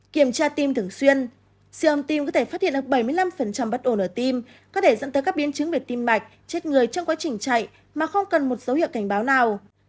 kiểm tra tim thường xuyên siêu âm tim có thể phát hiện được bảy mươi năm bất ổn ở tim có thể dẫn tới các biến chứng về tim mạch chết người trong quá trình chạy mà không cần một dấu hiệu cảnh báo nào